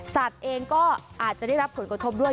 สัตว์เองก็อาจจะได้รับผลกระทบด้วย